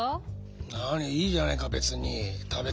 何いいじゃないか別に食べたって。